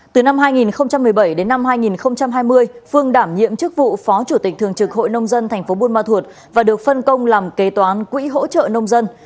từ năm hai nghìn một mươi bảy đến năm hai nghìn hai mươi phương đảm nhiệm chức vụ phó chủ tịch thường trực hội nông dân tp buôn ma thuột và được phân công làm kế toán quỹ hỗ trợ nông dân